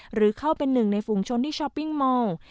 หรือเข้าเป็นหนึ่งในฝูงชนที่ช้อปปิ้งมอง